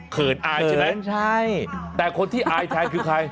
เขินอายใช่ไหมแต่คนที่อายใช้คือใครครับ๑๙๖๔